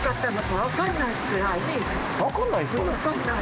分かんないの。